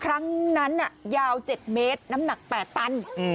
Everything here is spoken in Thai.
ครั้งนั้นยาว๗เมตรน้ำหนัก๘ตัน